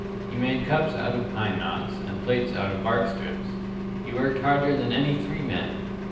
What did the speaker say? He made cups out of pine knots, and plates out of bark strips. He worked harder than any three men.